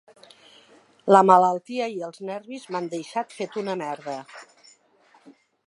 La malaltia i els nervis m'han deixat fet una merda.